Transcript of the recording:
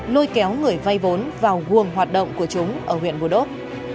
lôi kéo người vay vốn vào nguồn hoạt động của chúng ở huyện bù đốt